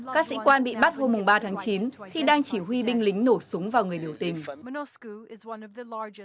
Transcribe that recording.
các sĩ quan bị bắt hôm ba tháng chín khi đang chỉ huy binh lính nổ súng vào người biểu tình